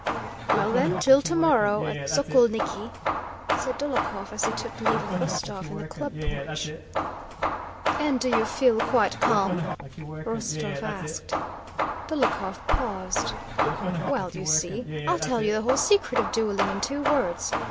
"Well then, till tomorrow at Sokólniki," said Dólokhov, as he took leave of Rostóv in the club porch. "And do you feel quite calm?" Rostóv asked. Dólokhov paused. "Well, you see, I'll tell you the whole secret of dueling in two words.